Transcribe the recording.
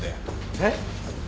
えっ？